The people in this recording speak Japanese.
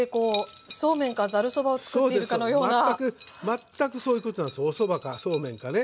全くそういうことなんですおそばかそうめんかね。